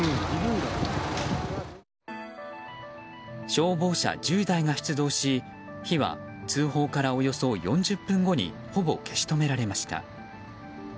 消防車１０台が出動し火は通報からおよそ４０分後にほぼ消し止められました。